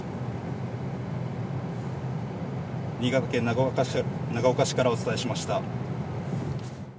新潟県長岡市からお伝えしました。